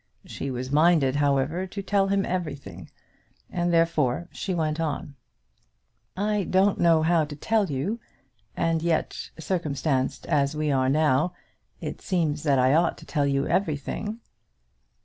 She was minded, however, to tell him everything, and therefore she went on. "I don't know how to tell you; and yet, circumstanced as we are now, it seems that I ought to tell you everything."